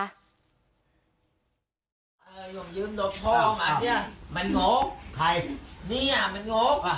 หยุ่งยืมดบพ่อมาเฮี้ยมันโง่ใครนี่อ่ะมันโง่อ่ะ